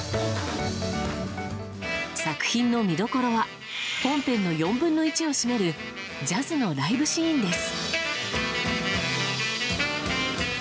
作品の見どころは本編の４分の１を占めるジャズのライブシーンです。